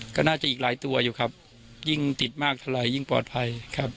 ก็น่าจะอีกหลายตัวอยู่ครับยิ่งติดมากเท่าไหร่ยิ่งปลอดภัยครับ